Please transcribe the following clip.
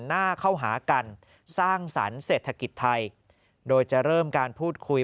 หน้าเข้าหากันสร้างสรรค์เศรษฐกิจไทยโดยจะเริ่มการพูดคุย